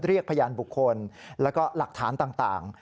เรียกพยานบุคคลแล้วก็หลักฐานต่าง